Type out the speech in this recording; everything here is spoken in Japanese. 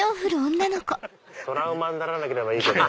トラウマにならなければいいけど。